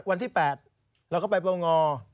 วันที่๘เราก็ไปปง